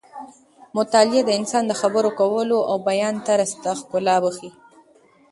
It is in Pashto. مطالعه د انسان د خبرو کولو او بیان طرز ته ښکلا بښي.